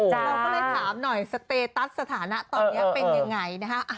เราก็เลยถามหน่อยสเตตัสสถานะตอนนี้เป็นยังไงนะฮะ